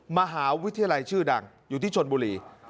มหาวิทยาลัยชื่อดังอยู่ที่ชนบุรี